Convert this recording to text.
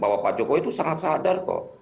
bahwa pak jokowi itu sangat sadar kok